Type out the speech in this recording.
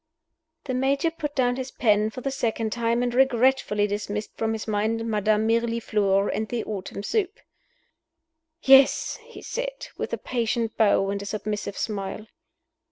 The Major put down his pen for the second time, and regretfully dismissed from his mind Madame Mirliflore and the autumn soup. "Yes?" he said, with a patient bow and a submissive smile.